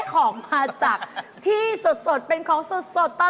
แขกเพิ่มนะคะ